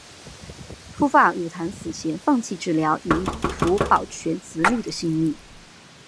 秃发傉檀死前放弃治疗以图保全子女的性命。